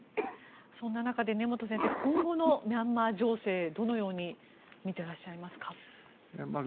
そんな中、根本先生今後のミャンマー情勢どのように見ていらっしゃいますか？